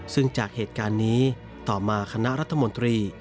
ซึ่งจากเหตุการณ์นี้ต่อมาคณะรัฐมนตรี